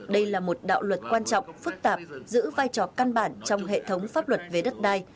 đây là một đạo luật quan trọng phức tạp giữ vai trò căn bản trong hệ thống pháp luật về đất đai